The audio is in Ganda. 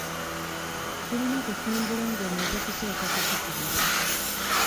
Tulina kusimbula nga omaze kusooka kutukubira.